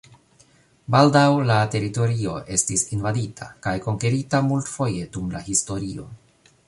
Baldaŭ la teritorio estis invadita kaj konkerita multfoje dum la historio.